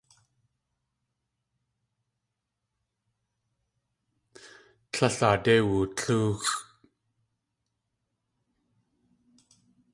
Tlél aadé wutlóoxʼ.